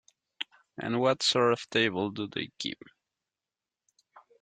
And what sort of table do they keep?